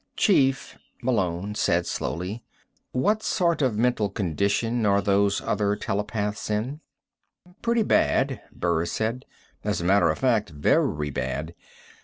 "Chief," Malone said slowly, "what sort of mental condition are those other telepaths in?" "Pretty bad," Burris said. "As a matter of fact, very bad.